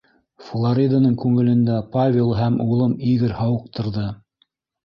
Флориданың күңелен дә Павел һәм улым Игорь һауыҡтырҙы.